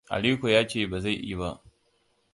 Aliko ya ce ba zai yi ba.